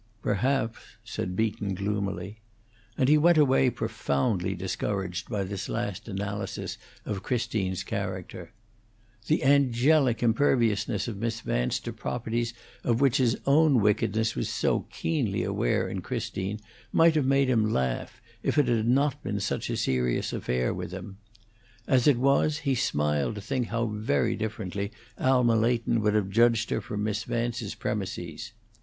"Perhaps," said Beaton, gloomily; and he went away profoundly discouraged by this last analysis of Christine's character. The angelic imperviousness of Miss Vance to properties of which his own wickedness was so keenly aware in Christine might have made him laugh, if it had not been such a serious affair with him. As it was, he smiled to think how very differently Alma Leighton would have judged her from Miss Vance's premises.